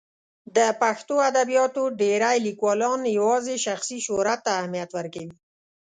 د پښتو ادبیاتو ډېری لیکوالان یوازې شخصي شهرت ته اهمیت ورکوي.